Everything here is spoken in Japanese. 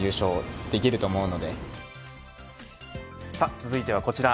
続いてはこちら。